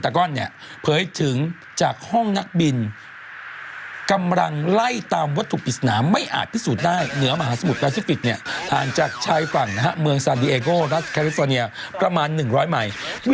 โอเคนะครับก็มีอะไรชื่ออยู่หน้าจอเมื่อกี้นี้นะครับ